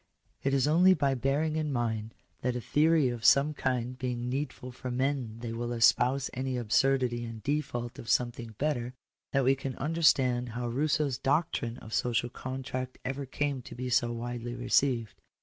§4 It is only by bearing in mind that a theory of some kind being needful for men they will espouse any absurdity in de fault of something better, that we can understand how Rousseau's doctrine of Social Contract ever came to be so widely received.